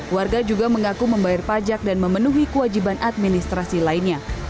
warga juga mengaku membayar pajak dan memenuhi kewajiban administrasi lainnya